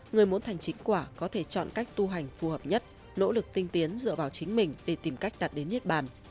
người muốn thành chính quả có thể chọn cách tu hành phù hợp nhất nỗ lực tinh tiến dựa vào chính mình để tìm cách đạt đến nhật bản